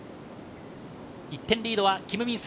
１点リードはキム・ミンス。